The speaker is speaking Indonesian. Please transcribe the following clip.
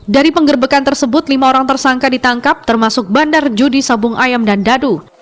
dari penggerbekan tersebut lima orang tersangka ditangkap termasuk bandar judi sabung ayam dan dadu